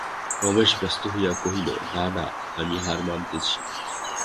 রমেশ ব্যস্ত হইয়া কহিল, না, না, আমি হার মানিতেছি।